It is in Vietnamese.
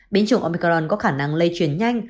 biến chủng omicron có khả năng lây truyền nhanh